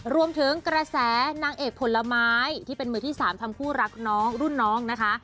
รวมถึงกระแสนางเอกผลไม้ที่เป็นมือที่๓ทำคู่รักน้องรุ่นน้องนะคะ